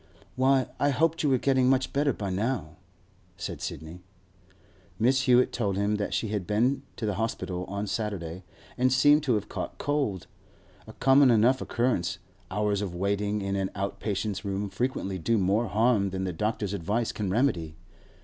'Why, I hoped you were getting much better by now,' said Sidney. Mrs. Hewett told him that she had been to the hospital on Saturday, and seemed to have caught cold. A common enough occurrence; hours of waiting in an out patients' room frequently do more harm than the doctor's advice can remedy.